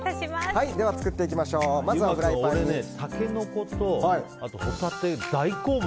俺、タケノコとホタテ大好物。